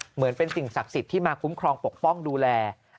เหมือนเป็นสิ่งศักดิ์สิทธิ์ที่มาคุ้มครองปกป้องดูแล